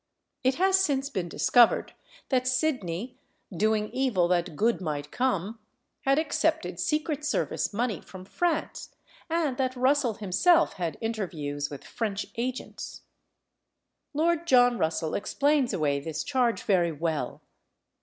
It has since been discovered that Sidney, doing evil that good might come, had accepted secret service money from France, and that Russell himself had interviews with French agents. Lord John Russell explains away this charge very well.